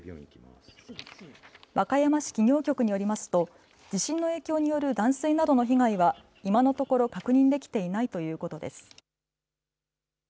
和歌山市企業局によりますと地震の影響による断水などの被害は今のところ確認できていないということです。